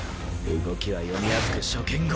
動きは読みやすく初見殺しな。